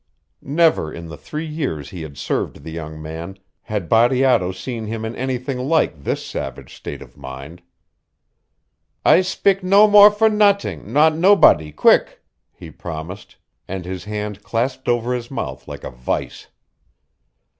Never in the three years he had served the young man had Bateato seen him in anything like this savage state of mind. "I spick no more for noting not nobody quick!" he promised, and his hand clasped over his mouth like a vise.